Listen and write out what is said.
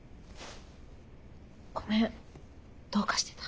ごめんどうかしてた。